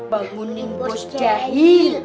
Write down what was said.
bangunin bos jahil